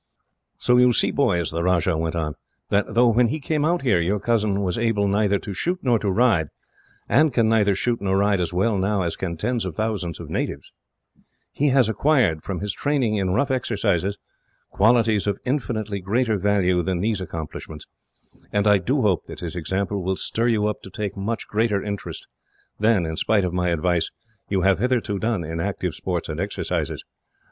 "So you see, boys," the Rajah went on, "that though, when he came out here, your cousin was able neither to shoot nor to ride, and can neither shoot nor ride as well, now, as can tens of thousands of natives; he has acquired, from his training in rough exercises, qualities of infinitely greater value than these accomplishments; and I do hope that his example will stir you up to take much greater interest than, in spite of my advice, you have hitherto done in active sports and exercises.